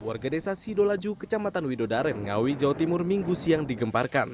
warga desa sidolaju kecamatan widodaren ngawi jawa timur minggu siang digemparkan